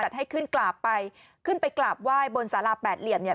ให้ขึ้นกราบไปขึ้นไปกราบไหว้บนสาราแปดเหลี่ยมเนี่ย